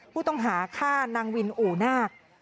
ผู้ต้องหาฆ่านางวินอู่นาค